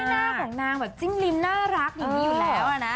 คือด้วยหน้าของนางแบบจิ้งริมน่ารักอยู่แล้วนะ